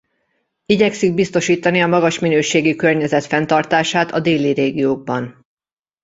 Igyekszik biztosítani a magas minőségi környezet fenntartását a déli régiókban.